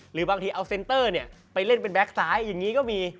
หรือบางทีเอาเซ็นเตอร์ไปเล่นเป็นแก๊กซ้ายอย่างนี้ก็มี